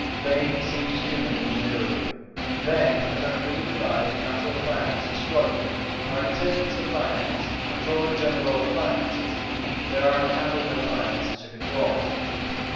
Vain seems human ingenuity. In vain has our newly devised "Council of Finances" struggled, our Intendants of Finance, Controller General of Finances: there are unhappily no Finances to control.